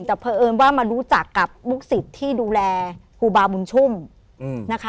แต่เพราะเอิญว่ามารู้จักกับลูกศิษย์ที่ดูแลครูบาบุญชุ่มนะคะ